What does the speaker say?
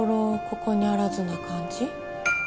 ここにあらずな感じ？